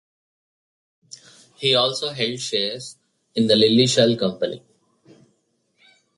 He also held shares in the Lilleshall Company.